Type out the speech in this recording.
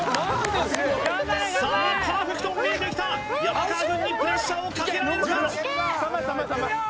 さあパーフェクトも見えてきた山川軍にプレッシャーをかけられるか？